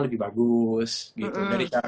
lebih bagus gitu dari